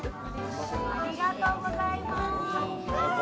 ありがとうございます。